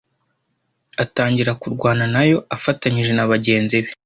atangira kurwana nayo afatanyije na bagenzi be,